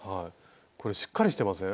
これしっかりしてません？